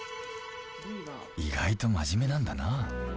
意外と真面目なんだな